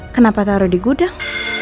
kenapa taruh di gudang